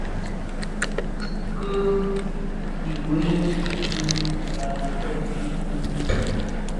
Ki ughèi di ubali kèki dheňi.